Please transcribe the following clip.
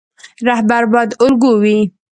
رهبر باید الګو وي